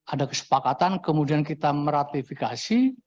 ada kesepakatan kemudian kita meratifikasi